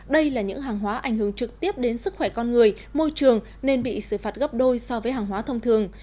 đây là những hàng hóa ảnh hưởng trực tiếp đến sức khỏe con người môi trường nên bị xử phạt gấp đôi so với hàng hóa thông thường